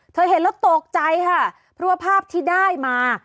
เห็นแล้วตกใจค่ะเพราะว่าภาพที่ได้มา